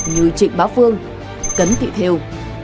như trịnh bá phương cấn thị thêu